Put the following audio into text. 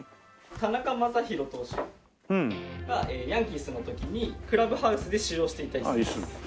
田中将大投手がヤンキースの時にクラブハウスで使用していた椅子です。